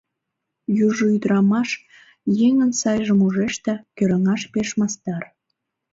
Южо ӱдырамаш еҥын сайжым ужеш да, кӧранаш пеш мастар.